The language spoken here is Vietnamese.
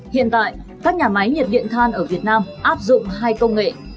hiện tại các nhà máy nhiệt điện than ở việt nam áp dụng hai công nghệ